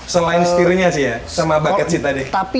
selain setirnya sih ya sama bucket seat tadi